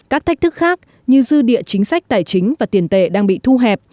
các thách thức khác như dư địa chính sách tài chính và tiền tệ đang bị thu hẹp